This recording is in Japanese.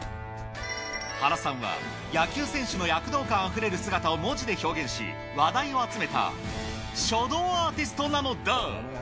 原さんは野球選手の躍動感あふれる姿を文字で表現し、話題を集めた書道アーティストなのだ。